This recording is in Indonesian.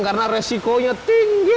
karena resikonya tinggi